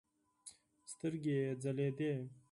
سترګې يې ځلېدې.